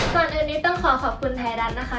ก่อนอื่นนี้ต้องขอขอบคุณไทยรัฐนะคะ